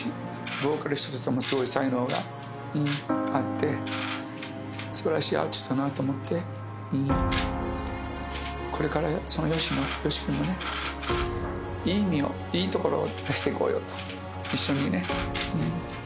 ボーカリストとしてもすごい才能があって、すばらしいアーティストだなと思って、これから、そのＹＯＳＨＩの、ＹＯＳＨＩ君のね、いい面を、いいところを出していこうよと、一緒にね。